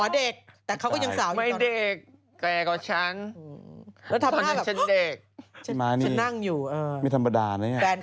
เดินเข้ามาในบ้านฉัน